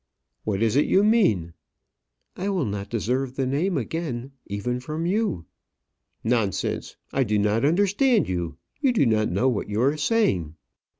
"What is it you mean?" "I will not deserve the name again even from you." "Nonsense; I do not understand you. You do not know what you are saying."